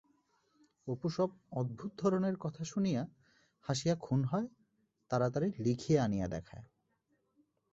অপু সব অদ্ভুত ধরনের কথা শুনিয়া হাসিয়া খুন হয়, তাড়াতাড়ি লিখিয়া আনিয়া দেখায়।